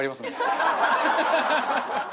ハハハハ！